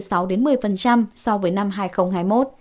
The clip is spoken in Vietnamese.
so với năm hai nghìn hai mươi một